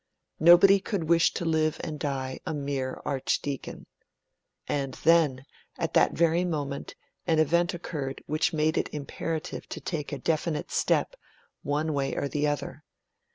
Nobody could wish to live and die a mere Archdeacon. And then, at that very moment, an event occurred which made it imperative to take a definite step, one way or the other.